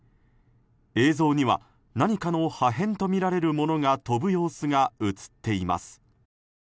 映像には何かの破片とみられるものが飛ぶ様子が映っています。